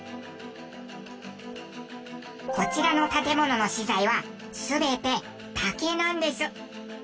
こちらの建物の資材は全て竹なんです。